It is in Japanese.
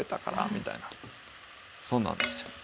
みたいなそんなんですよ。